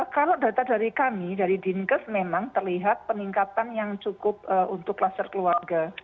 kalau data dari kami dari dinkes memang terlihat peningkatan yang cukup untuk kluster keluarga